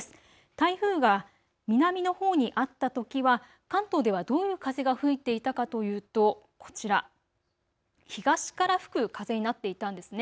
台風が南のほうにあったときは関東ではどう風が吹いていたかというと、こちら東から吹く風になっていたんですね。